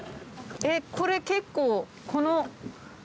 えっこれ結構この。